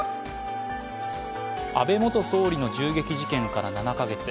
安倍元総理の銃撃事件から７か月。